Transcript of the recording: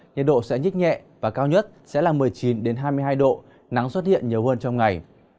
nhiệt độ sẽ nhích nhẹ và cao nhất sẽ là một mươi chín hai mươi hai độ nắng xuất hiện nhiều hơn trong ngày